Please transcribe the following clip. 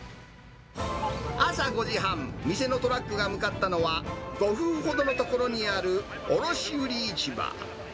朝５時半、店のトラックが向かったのは、５分ほどの所にある卸売市場。